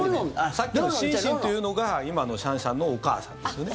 さっきのシンシンというのが今のシャンシャンのお母さんですよね。